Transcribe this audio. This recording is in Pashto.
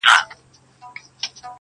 کله به خدایه بیا کندهار وي -